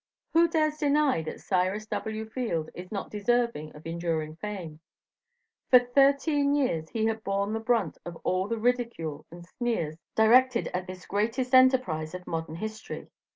Who dares deny that Cyrus W. Field is not deserving of enduring fame? For thirteen years he had borne the brunt of all the ridicule and sneers directed at this greatest enterprise of modern history.